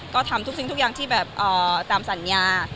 ก็ทำทุกสิ่งทุกอย่างที่แบบตามสัญญา